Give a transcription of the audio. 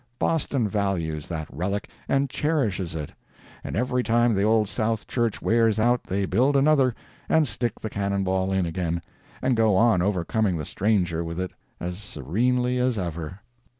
Boston values that relic, and cherishes it; and every time the Old South Church wears out they build another and stick the cannon ball in again, and go on overcoming the stranger with it as serenely as ever.